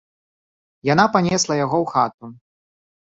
Яна панесла яго ў хату.